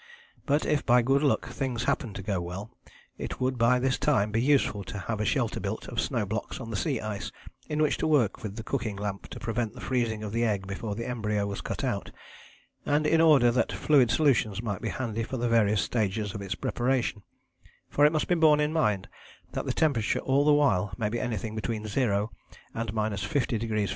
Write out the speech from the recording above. But if by good luck things happened to go well, it would by this time be useful to have a shelter built of snow blocks on the sea ice in which to work with the cooking lamp to prevent the freezing of the egg before the embryo was cut out, and in order that fluid solutions might be handy for the various stages of its preparation; for it must be borne in mind that the temperature all the while may be anything between zero and 50° F.